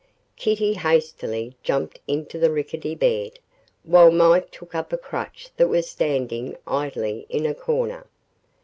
Kitty hastily jumped into the rickety bed, while Mike took up a crutch that was standing idly in a corner.